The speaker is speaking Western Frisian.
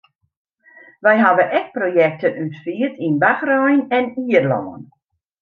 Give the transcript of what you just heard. Wy hawwe ek projekten útfierd yn Bachrein en Ierlân.